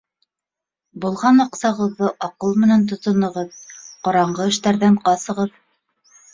Булған аҡсағыҙҙы аҡыл менән тотоноғоҙ, ҡараңғы эштәрҙән ҡасығыҙ.